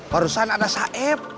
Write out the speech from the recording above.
barusan ada saeb